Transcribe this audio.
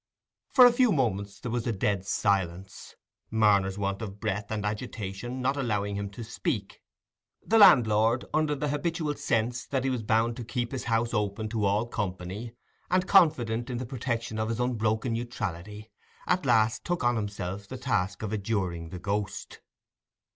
For a few moments there was a dead silence, Marner's want of breath and agitation not allowing him to speak. The landlord, under the habitual sense that he was bound to keep his house open to all company, and confident in the protection of his unbroken neutrality, at last took on himself the task of adjuring the ghost.